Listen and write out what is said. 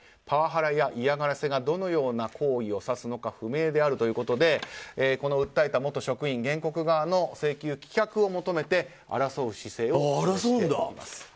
パワハラや嫌がらせがどのような行為を指すのか不明であるということでこの訴えた元職員、原告側の請求棄却を求めて争う姿勢を示しています。